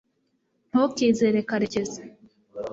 ntukizere karekezi